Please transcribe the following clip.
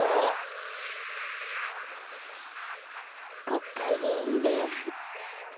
国会議員であり。